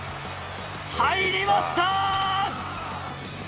入りました。